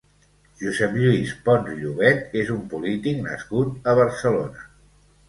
Josep Lluís Pons Llovet és un polític nascut a Barcelona.